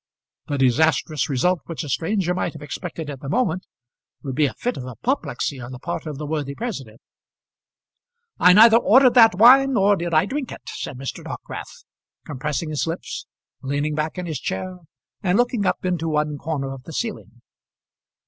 The disastrous result which a stranger might have expected at the moment would be a fit of apoplexy on the part of the worthy president. "I neither ordered that wine nor did I drink it," said Mr. Dockwrath, compressing his lips, leaning back in his chair, and looking up into one corner of the ceiling.